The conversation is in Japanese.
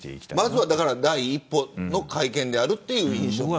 まずは第一歩の会見であるという印象。